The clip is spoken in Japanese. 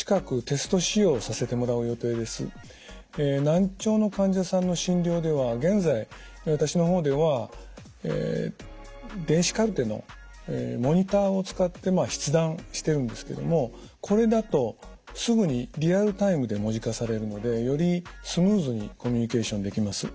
難聴の患者さんの診療では現在私の方では電子カルテのモニターを使って筆談してるんですけどもこれだとすぐにリアルタイムで文字化されるのでよりスムーズにコミュニケーションできます。